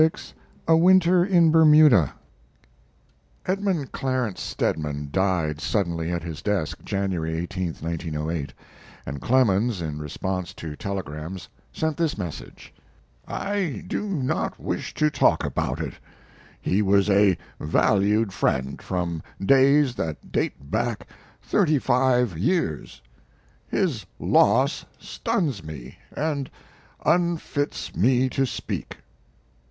CCLXVI. A WINTER IN BERMUDA Edmund Clarence Stedman died suddenly at his desk, January 18, 1908, and Clemens, in response to telegrams, sent this message: I do not wish to talk about it. He was a valued friend from days that date back thirty five years. His loss stuns me and unfits me to speak.